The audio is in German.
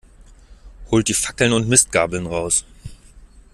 Holt die Fackeln und Mistgabeln raus!